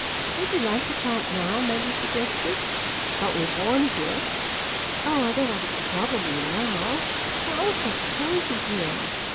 "Would you like to try it now?" Maggie suggested. "But we've warned you." "Oh, I don't want to trouble you now. We're all so cosy here.